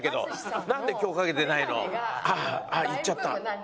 あっ言っちゃった。